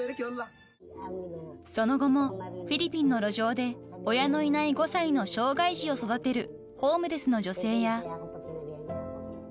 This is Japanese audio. ［その後もフィリピンの路上で親のいない５歳の障害児を育てるホームレスの女性や］